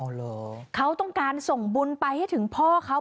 เขาต้องการส่งบุญไปให้ถึงพ่อเขา